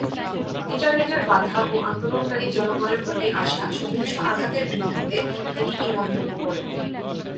ইন্টারনেটের বাধা ও আন্দোলনকারী জনগণের প্রতি আসা সহিংস আঘাতের ভিত্তিতে তিনি এই মন্তব্য করেন।